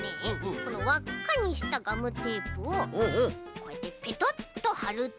このわっかにしたガムテープをこうやってペトッとはると。